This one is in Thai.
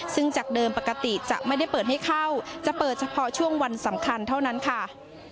ซึ่งจากเดิมปกติจะไม่ได้เปิดให้เข้าจะเปิดเฉพาะช่วงวันสำคัญเท่านั้นค่ะ